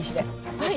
はい。